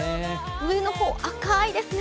上の方、赤いですね！